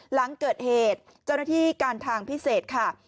หลังเกิดเหตุเจ้าหน้าที่การทางพิเศษค่ะ